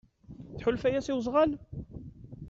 Tḥulfa-yas i wezɣal?